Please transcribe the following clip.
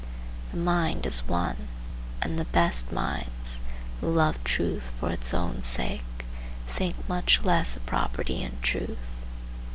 The mind is one, and the best minds, who love truth for its own sake, think much less of property in truth.